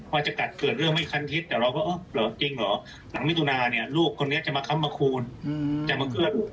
ว่าจะกัดเกิดเรื่องไม่คันทิศแต่เราก็เออเหรอจริงเหรอหลังมิถุนาเนี่ยลูกคนนี้จะมาค้ำมาคูณจะมาเคลื่อน